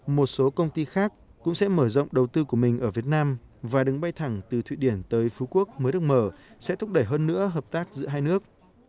một số công ty khác cũng sẽ mở rộng đầu tư của mình ở việt nam và đứng bay thẳng từ thụy điển tới phú quốc mới được mở sẽ thúc đẩy hơn nữa hợp tác giữa hai nước